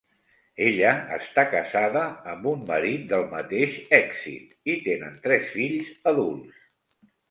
Ella està casada amb un marit del mateix èxit, i tenen tres fills adults.